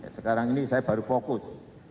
sekarang ini saya baru fokus